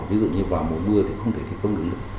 ví dụ như vào mùa mưa thì không thể thi công được nữa